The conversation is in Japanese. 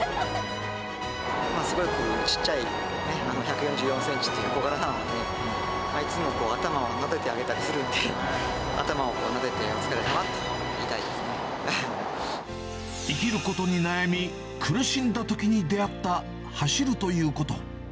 すごくちっちゃい、１４４センチという小柄なので、いつも頭をなでてあげたりするんで、頭をなでて、お疲れさまと言生きることに悩み、苦しんだときに出会った、走るということ。